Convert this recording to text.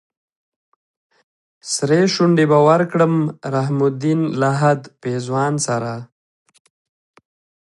سرې شونډې به ورکړم رحم الدين لهد پېزوان سره